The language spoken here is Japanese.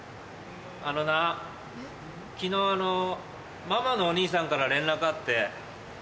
あのな昨日あのママのお兄さんから連絡あって。